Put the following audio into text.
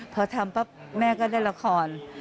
พอทำปั๊บแม่ก็ได้ละคร